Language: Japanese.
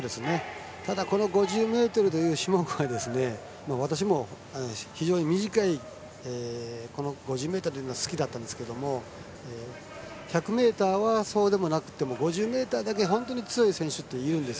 ただこの５０ｍという種目は私も非常に短い５０ｍというのが好きだったんですが１００ｍはそうでもなくても５０ｍだけ本当に強い選手っているんです。